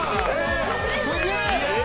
すげえ！